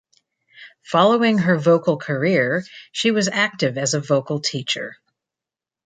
Following her vocal career, she was active as a vocal teacher.